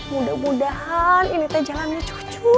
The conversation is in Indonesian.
mudah mudahan ini teh jalannya cocok